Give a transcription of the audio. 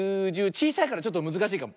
ちいさいからちょっとむずかしいかも。